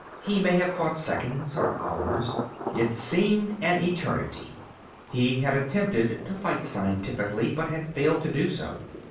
He may have fought seconds or hours. It seemed an eternity. He had attempted to fight scientifically, but had failed to do so.